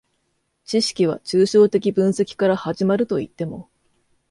知識は抽象的分析から始まるといっても、